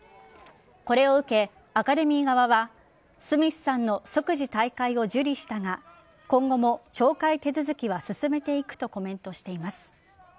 これを受け、アカデミー側はスミスさんの即時退会を受理したが今後も懲戒手続きは進めていくとコメントしています。